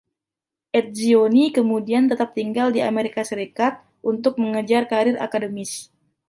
Etzioni kemudian tetap tinggal di Amerika Serikat untuk mengejar karier akademis.